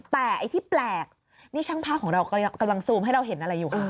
แต่ไอ้ที่แปลกนี่ช่างภาพของเรากำลังซูมให้เราเห็นอะไรอยู่